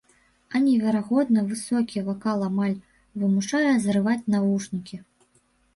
А неверагодна высокі вакал амаль вымушае зрываць навушнікі.